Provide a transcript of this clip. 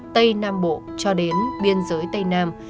tây nam bộ cho đến biên giới tây nam